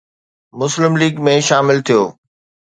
مسلم ليگ ۾ شامل ٿيو